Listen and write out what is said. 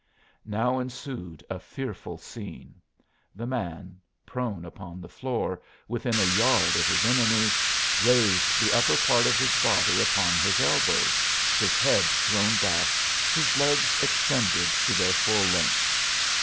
Now ensued a fearful scene. The man, prone upon the floor, within a yard of his enemy, raised the upper part of his body upon his elbows, his head thrown back, his legs extended to their full length.